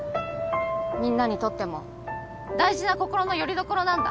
みんなにとっても大事な心のよりどころなんだ。